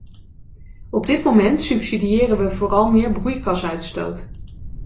Op dit moment subsidiëren wij vooral meer broeikasuitstoot.